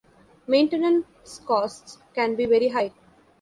Maintenance costs can be very high.